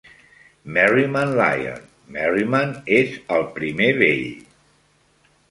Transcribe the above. Merriman Lyon: Merriman és el primer Vell.